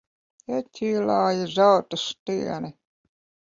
Ieķīlāja zelta stieni.